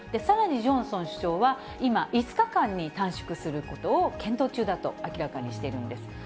さらにジョンソン首相は、今、５日間に短縮することを検討中だと明らかにしているんです。